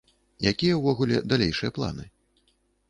Якія ўвогуле далейшыя планы?